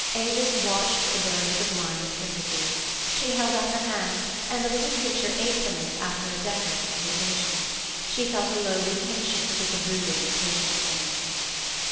Avis watched the bird with a blind sympathy. She held out her hand, and the little creature ate from it after a decorous hesitation. She felt a lowly kinship with the brooding, patient thing.